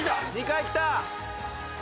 「２回きた！」